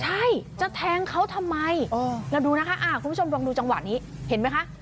ใช่จะแทงเขาทำไมเราดูนะคะคุณผู้ชมลองดูจังหวะนี้เห็นไหมคะ